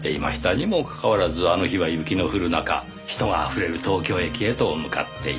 にもかかわらずあの日は雪の降る中人があふれる東京駅へと向かっていた。